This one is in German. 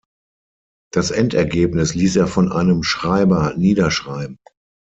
Das Endergebnis ließ er von einem Schreiber niederschreiben.